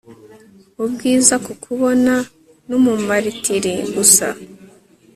Ubwiza kukubona ni umumaritiri gusa